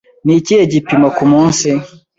Ni ikihe gipimo ku munsi?